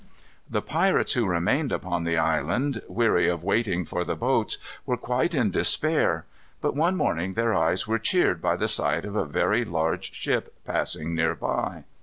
The pirates who remained upon the island, weary of waiting for the boats, were quite in despair. But one morning their eyes were cheered by the sight of a very large ship passing near by.